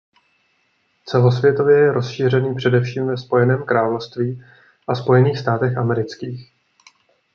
Celosvětově je rozšířený především v Spojeném království a Spojených státech amerických.